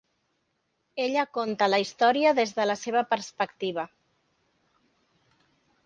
Ella conta la història des de la seva perspectiva.